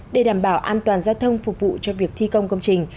để đảm bảo an toàn giao thông phục vụ cho việc thi công công trình